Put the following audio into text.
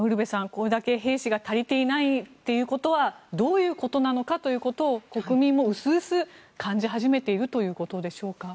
これだけ兵士が足りていないということはどういうことなのかということを国民もうすうす感じ始めているということでしょうか。